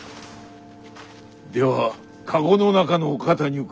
では駕籠の中のお方に伺おう。